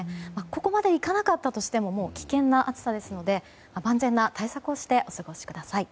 ここまでいかなかったとしても危険な暑さですので万全な対策をしてお過ごしください。